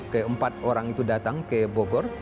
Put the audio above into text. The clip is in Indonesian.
keempat orang itu datang ke bogor